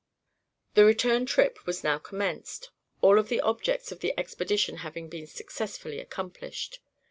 The return trip was now commenced, all of the objects of the expedition having been successfully accomplished.